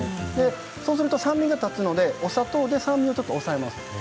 そうすると酸味が立つのでお砂糖で酸味を抑えます。